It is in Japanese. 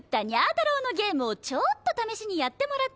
太郎のゲームをちょっと試しにやってもらってて。